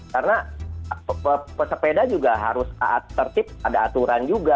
karena pesepeda juga harus tertib ada aturan juga